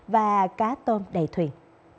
và cá tôm đầy thuyền